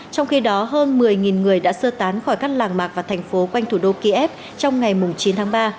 trong khi đó hơn một mươi người đã sơ tán khỏi các làng mạc và thành phố quanh thủ đô kiev trong ngày chín tháng ba